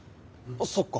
そっか。